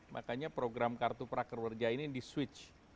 makanya program kartu prakerja ini di switch